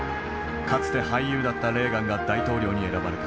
かつて俳優だったレーガンが大統領に選ばれた。